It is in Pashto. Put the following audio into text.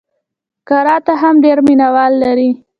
کراته هم ډېر مینه وال لري.